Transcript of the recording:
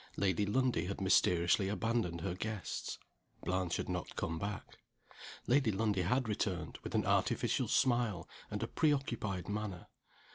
Lady Lundie had mysteriously abandoned her guests. Blanche had not come back. Lady Lundie had returned with an artificial smile, and a preoccupied manner.